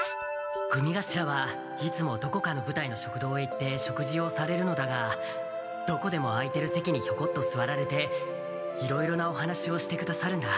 組頭はいつもどこかの部隊の食堂へ行って食事をされるのだがどこでも空いてる席にひょこっとすわられていろいろなお話をしてくださるんだ。